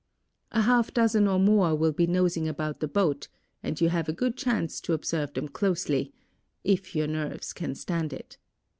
A half dozen or more will be nosing about the boat, and you have a good chance to observe them closely—if your nerves can stand it.